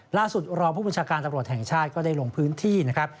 รองผู้บัญชาการตำรวจแห่งชาติก็ได้ลงพื้นที่นะครับ